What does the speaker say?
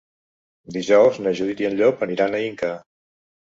Dijous na Judit i en Llop aniran a Inca.